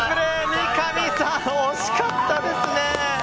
三上さん、惜しかったですね。